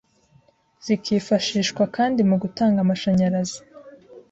zikifashishwa kandi mu gutanga amashanyarazi,